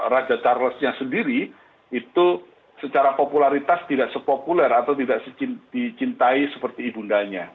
raja charlesnya sendiri itu secara popularitas tidak sepopuler atau tidak dicintai seperti ibu undanya